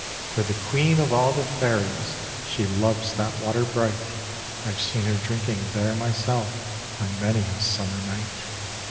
"For the Queen of all the Fairies She loves that water bright; I've seen her drinking there, myself, On many a Summer night.